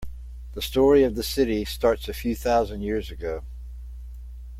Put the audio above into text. The story of the city starts a few thousand years ago.